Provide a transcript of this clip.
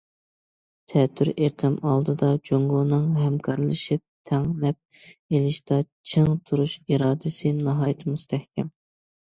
تەتۈر ئېقىم ئالدىدا جۇڭگونىڭ ھەمكارلىشىپ تەڭ نەپ ئېلىشتا چىڭ تۇرۇش ئىرادىسى ناھايىتى مۇستەھكەم.